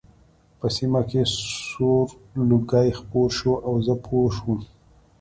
په سیمه کې سور لوګی خپور شو او زه پوه شوم